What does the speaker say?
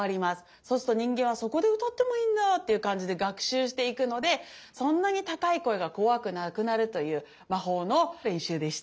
そうすると人間はそこで歌ってもいいんだっていう感じで学習していくのでそんなに高い声が怖くなくなるという魔法の練習でした。